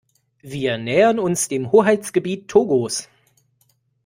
Wir nähern uns dem Hoheitsgebiet Togos.